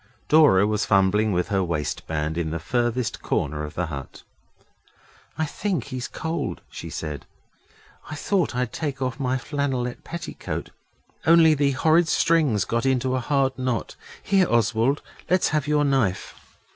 Dora was fumbling with her waistband in the furthest corner of the hut. 'I think he's cold,' she said. 'I thought I'd take off my flannelette petticoat, only the horrid strings got into a hard knot. Here, Oswald, let's have your knife.